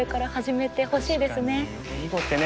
囲碁ってね